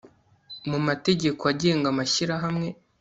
mu mategeko agenga amashyirahamwe